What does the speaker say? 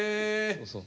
そうそう。